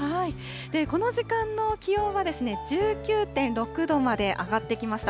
この時間の気温は１９．６度まで上がってきました。